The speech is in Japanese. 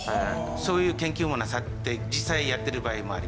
そういう研究もなさって実際やってる場合もあります。